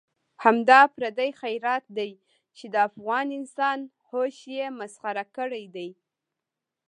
همدا پردی خیرات دی چې د افغان انسان هوش یې مسخره کړی دی.